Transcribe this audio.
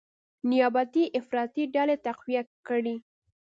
نیابتي افراطي ډلې تقویه کړي،